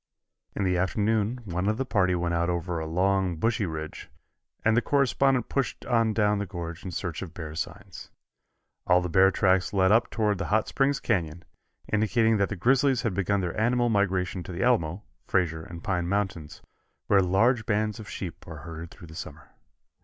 In the afternoon one of the party went out over a long, brushy ridge, and the correspondent pushed on down the gorge in search of bear signs. All the bear tracks led up toward the Hot Springs Canyon, indicating that the grizzlies had begun their annual migration to the Alamo, Frazier and Pine mountains, where large bands of sheep are herded through the summer.